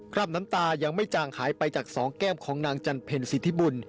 ราบน้ำตายังไม่จางหายไปจากสองแก้มของนางจันเพ็ญสิทธิบุญ